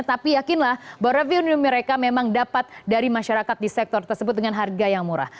tapi yakinlah bahwa revenue mereka memang dapat dari masyarakat di sektor tersebut dengan harga yang murah